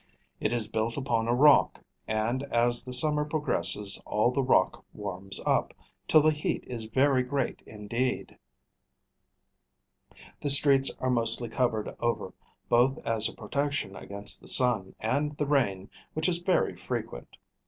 It is built upon a rock; and as the summer progresses all the rock warms up, till the heat is very great indeed. The streets are mostly covered over, both as a protection against the sun, and the rain, which is very frequent.